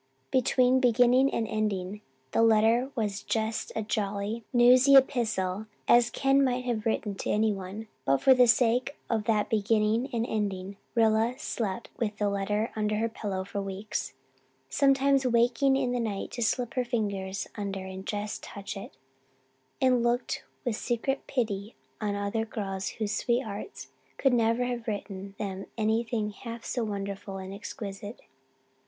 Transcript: Between beginning and ending the letter was just such a jolly, newsy epistle as Ken might have written to anyone; but for the sake of that beginning and ending Rilla slept with the letter under her pillow for weeks, sometimes waking in the night to slip her fingers under and just touch it, and looked with secret pity on other girls whose sweethearts could never have written them anything half so wonderful and exquisite.